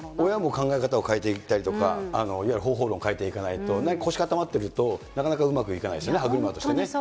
親も考え方を変えていったりとか、いわゆる方法論を変えていかないと、凝り固まってるとなかなかうまくいかないですよね、歯車としてね。